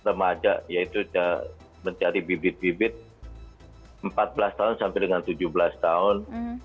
remaja yaitu mencari bibit bibit empat belas tahun sampai dengan tujuh belas tahun